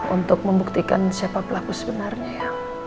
untuk membuktikan siapa pelaku sebenarnya ya